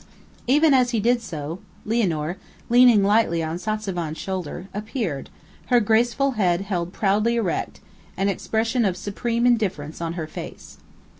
Even as he did so, Lianor, leaning lightly on Satzavan's shoulder, appeared, her graceful head held proudly erect, an expression of supreme indifference on her face.